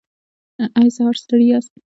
ایا سهار ستړي یاست؟